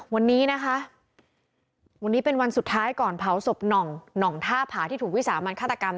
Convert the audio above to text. วันนี้นะคะวันนี้เป็นวันสุดท้ายก่อนเผาศพหน่องหน่องท่าผาที่ถูกวิสามันฆาตกรรม